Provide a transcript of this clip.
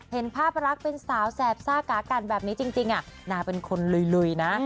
เห็นภาพรักเป็นสาวแสบซ่ากากันแบบนี้จริงนางเป็นคนลุยนะ